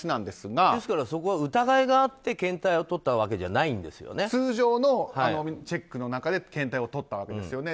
ですからそこは疑いがあって検体をとったわけじゃ通常のチェックの中で検体をとったわけです。